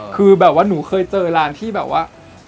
คือแบบว่าหนูเคยเจอร้านที่แบบว่า